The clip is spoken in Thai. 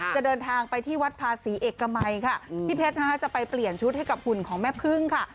เดินทางไปที่วัดภาษีเอกมัยค่ะพี่เพชรนะคะจะไปเปลี่ยนชุดให้กับหุ่นของแม่พึ่งค่ะ